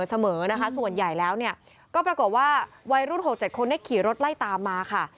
ส่วนใหญ่แล้วก็ปรากฎว่าวัยรุ่น๖๗คนได้ขี่รถไล่ตามมาค่ะ